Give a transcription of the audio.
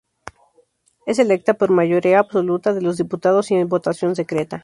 Es electa, por mayoría absoluta de los diputados, y en votación secreta.